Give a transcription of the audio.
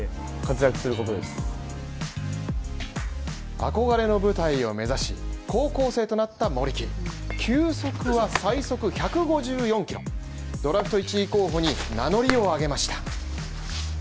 憧れの舞台を目指し、高校生となった森木球速は最速１５４キロ、ドラフト１位候補に名乗りを上げました。